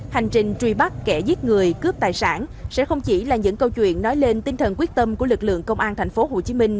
hành trình truy bắt kẻ giết người cướp tài sản sẽ không chỉ là những câu chuyện nói lên tinh thần quyết tâm của lực lượng công an thành phố hồ chí minh